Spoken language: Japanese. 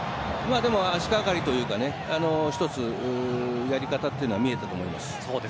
でも足掛かりというか一つ、やり方というのは見えたと思います。